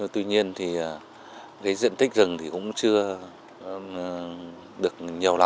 tuy nhiên diện tích rừng cũng chưa được